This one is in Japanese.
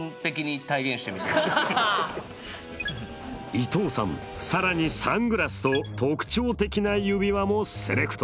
伊藤さん更にサングラスと特徴的な指輪もセレクト。